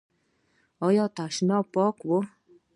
ایا تشناب پاک و؟